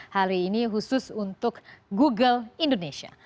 hari ini khusus untuk google indonesia